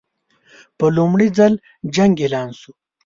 په لومړي ځل جنګ اعلان شو.